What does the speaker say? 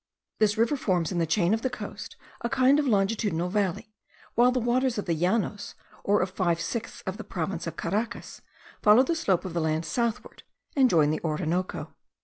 This river forms in the chain of the coast a kind of longitudinal valley, while the waters of the llanos, or of five sixths of the province of Caracas, follow the slope of the land southward, and join the Orinoco.